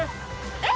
えっ！？